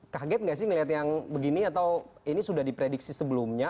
kaget nggak sih melihat yang begini atau ini sudah diprediksi sebelumnya